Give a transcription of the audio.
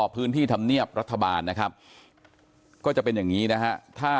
ธรรมเนียบรัฐบาลนะครับก็จะเป็นอย่างนี้นะฮะ